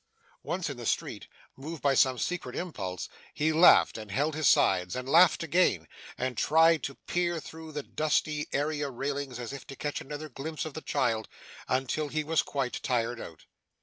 Once in the street, moved by some secret impulse, he laughed, and held his sides, and laughed again, and tried to peer through the dusty area railings as if to catch another glimpse of the child, until he was quite tired out.